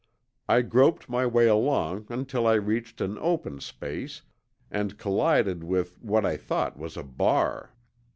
I groped my way along until I reached an open space, and collided with what I thought was a bar.